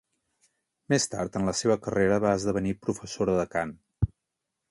Més tard en la seva carrera va esdevenir professora de cant.